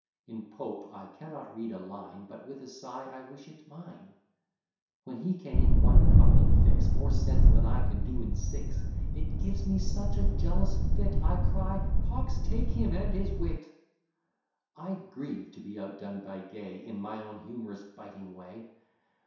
In Pope I cannot read a line, But with a sigh I wish it mine; When he can in one couplet fix More sense than I can do in six; It gives me such a jealous fit, I cry, "Pox take him and his wit!" I grieve to be outdone by Gay In my own hum'rous biting way.